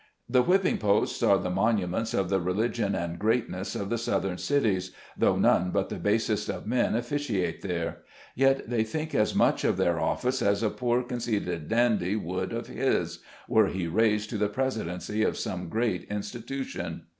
The whipping posts are the monuments of the religion and greatness of the southern cities, though none but the basest of men officiate there ; yet they think as much of their office as a poor conceited dandy would of his, were he raised to the Presidency of some great institution.